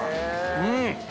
うん！